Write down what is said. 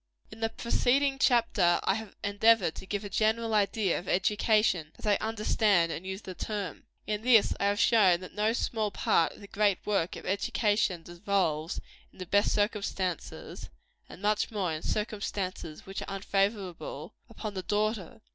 In the preceding chapter I have endeavored to give a general idea of education, as I understand and use the term. In this I have shown that no small part of the great work of education devolves, in the best circumstances and much more in circumstances which are unfavorable upon the daughter.